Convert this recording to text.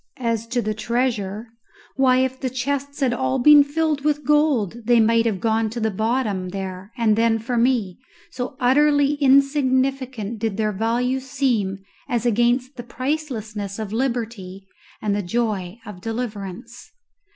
As to the treasure, why, if the chests had all been filled with gold, they might have gone to the bottom there and then for me, so utterly insignificant did their value seem as against the pricelessness of liberty and the joy of deliverance.